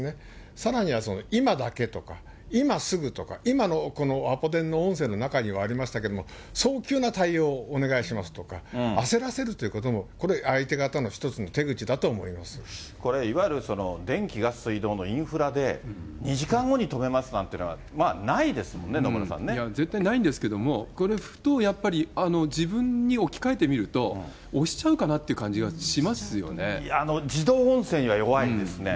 さらには今だけとか、今すぐとか、今のアポ電の音声の中にもありましたけど、早急な対応をお願いしますとか、焦らせるということも、これ、これ、いわゆる電気、ガス、水道のインフラで、２時間後に止めますなんてのは、ないですよね、絶対ないんですけど、これ、ふとやっぱり、自分に置き換えてみると、押しちゃうかなって感じいや、自動音声には弱いです